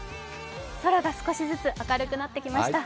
空が少しずつ明るくなってきました。